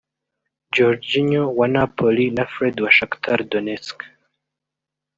Jorginho wa Napoli na Fred wa Shakhtar Donetsk